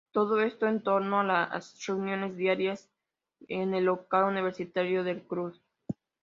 Todo esto en torno a las reuniones diarias en el local universitario del club.